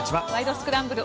スクランブル」